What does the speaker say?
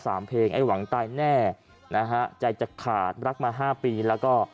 เพลงไอ้หวังตายแน่นะฮะใจจะขาดรักมาห้าปีแล้วก็